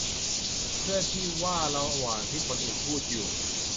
เพื่อที่ว่าระหว่างที่คนอื่นพูดอยู่